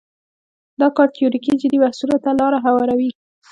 دا کار تیوریکي جدي بحثونو ته لاره هواروي.